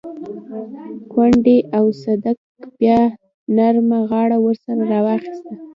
کونډې او صدک بيا نرمه غاړه ورسره راواخيسته.